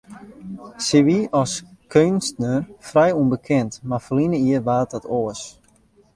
Sy wie as keunstner frij ûnbekend, mar ferline jier waard dat oars.